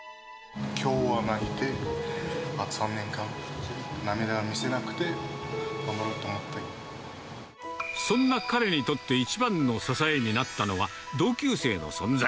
きょうは泣いて、あと３年間、涙を見せなくて、そんな彼にとって一番の支えになったのは、同級生の存在。